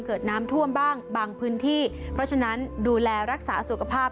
เกิดน้ำท่วมบ้างบางพื้นที่เพราะฉะนั้นดูแลรักษาสุขภาพ